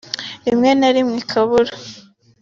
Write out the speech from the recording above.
rimwe na rimwe ikabura